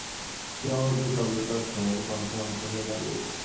সেই অনতি শব্দটা স্নেহের কণ্ঠে অন্তু হয়ে দাঁড়িয়েছে।